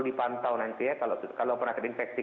dipantau nanti ya kalau pernah terinfeksi